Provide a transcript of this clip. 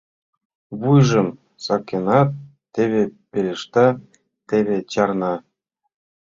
Вуйжым сакенат, теве пелешта, теве чарна.